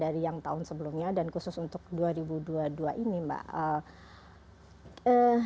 dari yang tahun sebelumnya dan khusus untuk dua ribu dua puluh dua ini mbak